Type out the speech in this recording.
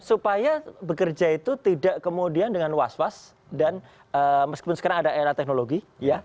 supaya bekerja itu tidak kemudian dengan was was dan meskipun sekarang ada era teknologi